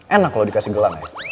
enak kalo dikasih gelang ya